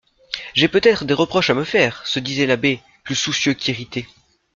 J'ai peut-être des reproches à me faire, se disait l'abbé plus soucieux qu'irrité.